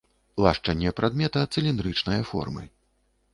Лашчанне прадмета цыліндрычнае формы.